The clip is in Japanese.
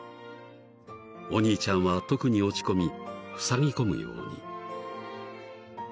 ［お兄ちゃんは特に落ち込みふさぎ込むように］